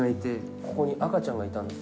ここに赤ちゃんがいたんですよ。